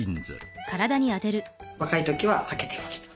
若い時ははけてました。